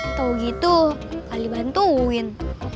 atau gitu kali bantuin